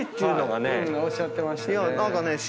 おっしゃってましたね。